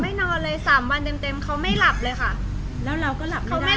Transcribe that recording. นอนเลยสามวันเต็มเต็มเขาไม่หลับเลยค่ะแล้วเราก็หลับเขาไม่